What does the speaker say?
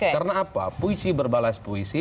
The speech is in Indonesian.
karena apa puisi berbalas puisi